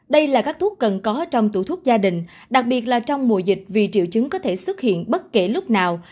đây là các thuốc cần có trong tủ thuốc gia đình đặc biệt là trong mùa dịch vì triệu chứng có thể xuất hiện bất kể lúc nào